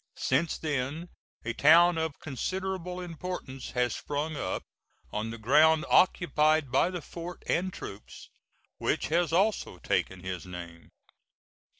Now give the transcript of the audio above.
Since then a town of considerable importance has sprung up on the ground occupied by the fort and troops, which has also taken his name.